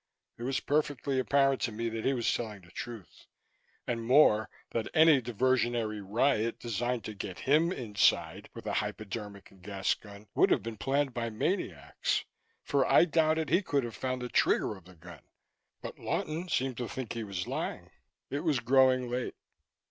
It was perfectly apparent to me that he was telling the truth and, more, that any diversionary riot designed to get him inside with a hypodermic and gas gun would have been planned by maniacs, for I doubted he could have found the trigger of the gun. But Lawton seemed to think he was lying. It was growing late.